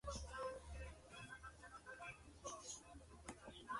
Sin embargo, cuando su padre se negó, decidió fugarse.